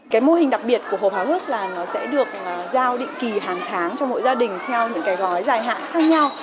cái mô hình đặc biệt của hộp hào hức là nó sẽ được giao định kỳ hàng tháng cho mỗi gia đình theo những cái gói dài hạn khác nhau